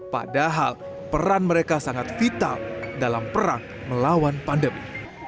padahal peran mereka sangat vital dalam perang melawan pandemi